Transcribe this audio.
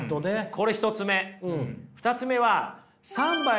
これ１つ目。